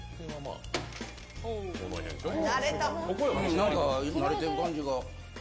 なんか慣れてる感じが。